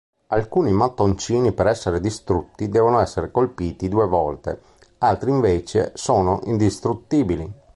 Alcuni mattoncini per essere distrutti devono essere colpiti due volte, altri invece sono indistruttibili.